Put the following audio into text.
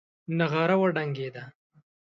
نغاره وډنګېده.